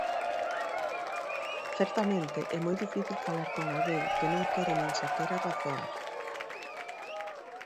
Certamente é moi difícil falar con alguén que non quere nin sequera razoar.